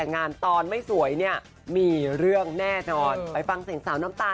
เราก็เลยถามเรื่องแต่งงานเลยนะคะว่า